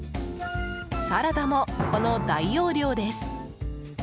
サラダもこの大容量です。